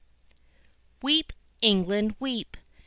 Weep, England, weep!